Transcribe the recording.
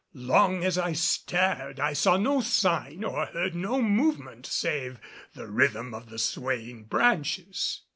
Long as I stared I saw no sign or heard no movement save the rhythm of the swaying branches.